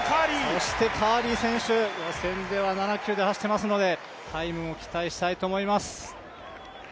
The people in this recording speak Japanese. そしてカーリー選手、予選では７９で走ってますのでタイムも期待したいと思います。